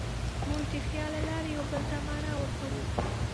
موږ د خیال له لارې یوه بل ته معنی ورکوو.